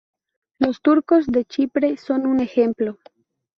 Los turcos de Chipre son un ejemplo.